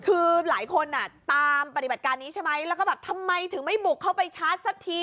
คือหลายคนอ่ะตามปฏิบัติการนี้ใช่ไหมแล้วก็แบบทำไมถึงไม่บุกเข้าไปชาร์จสักที